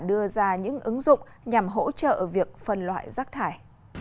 đưa ra những ứng dụng nhằm hỗ trợ việc phân loại rác thải